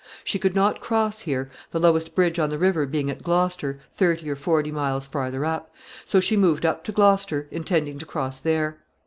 She could not cross here, the lowest bridge on the river being at Gloucester, thirty or forty miles farther up; so she moved up to Gloucester, intending to cross there.